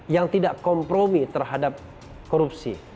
yang tidak kompromi terhadap korupsi